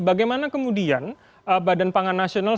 bagaimana kemudian badan pangan nasional